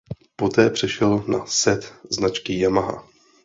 Poté přešel na set značky Yamaha.